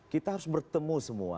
kita harus bertemu semua